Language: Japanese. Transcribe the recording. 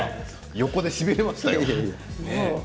横でしびれましたよ。